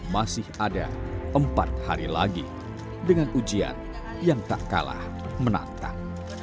masih ada empat hari lagi dengan ujian yang tak kalah menantang